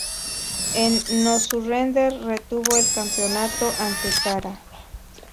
En "No Surrender", retuvo el campeonato ante Tara.